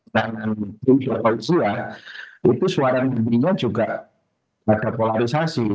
dan itu suara nadi nya juga ada polarisasi